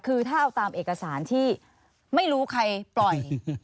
คือถ้าเอาตามเอกสารที่ไม่รู้ใครปล่อย